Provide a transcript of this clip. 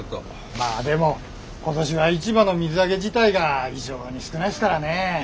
まあでも今年は市場の水揚げ自体が異常に少ないすからね。